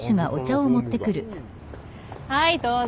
はいどうぞ。